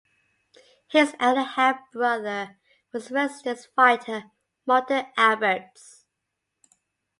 His elder half brother was the Resistance fighter Martin Albertz.